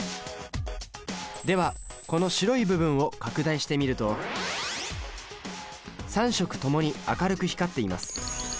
ではこの白い部分を拡大してみると３色ともに明るく光っています。